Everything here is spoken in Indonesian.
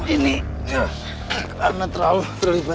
ini karena terlalu terlibat